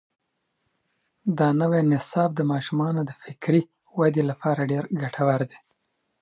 دا نوی نصاب د ماشومانو د فکري ودې لپاره ډېر ګټور دی.